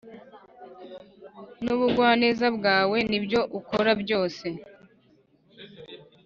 nubugwaneza bwawe nibyo ukora byose.